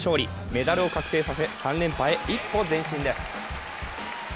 メダルを確定させ、３連覇へ一歩前進です。